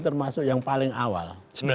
termasuk yang paling awal